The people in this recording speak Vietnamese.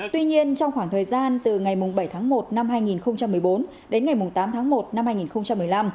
tuy nhiên trong khoảng thời gian từ ngày bảy tháng một năm hai nghìn một mươi bốn đến ngày tám tháng một năm hai nghìn một mươi năm